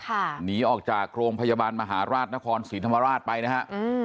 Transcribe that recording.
หนีออกจากโรงพยาบาลมหาราชนครศรีธรรมราชไปนะฮะอืม